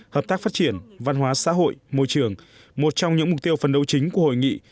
hợp tác phát triển văn hóa xã hội môi trường một trong những mục tiêu phần đầu chính của hội nghị